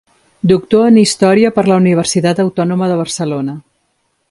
Doctor en Història per la Universitat Autònoma de Barcelona.